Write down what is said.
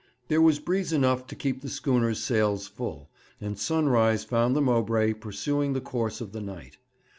There was breeze enough to keep the schooner's sails full, and sunrise found the Mowbray pursuing the course of the night.